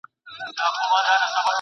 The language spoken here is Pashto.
که باران وسي، زه به پاته سم؟